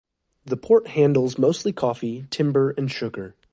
The port handles mostly coffee, timber and sugar.